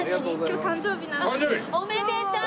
おめでとう！